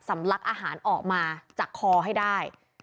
ลักอาหารออกมาจากคอให้ได้